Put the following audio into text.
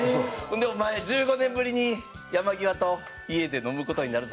ほんでお前１５年ぶりに山際と家で飲む事になるぞ。